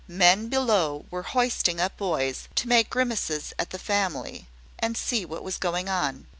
Men below were hoisting up boys, to make grimaces at the family, and see what was going on.